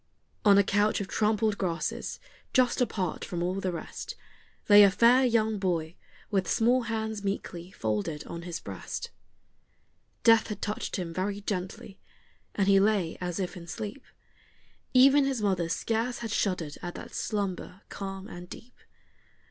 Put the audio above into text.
On a couch of trampled grasses, just apart from all the rest, Lay a fair young boy, with small hands meekly folded on his breast. Death had touched him very gently, and he lay as if in sleep; Even his mother scarce had shuddered at that slumber calm and deep.